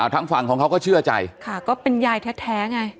ทางฝั่งของเขาก็เชื่อใจค่ะก็เป็นยายแท้ไง